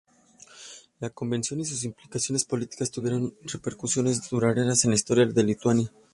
La conversión y sus implicaciones políticas tuvieron repercusiones duraderas en la historia de Lituania.